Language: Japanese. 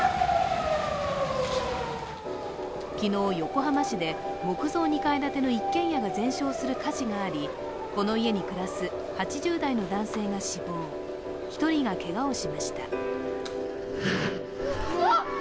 昨日、横浜市で木造２階建ての一軒家が全焼する火事があり、この家に暮らす８０代の男性が死亡、１人がけがをしました。